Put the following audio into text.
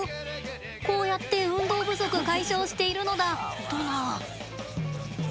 こうやって運動不足、解消しているのだとな。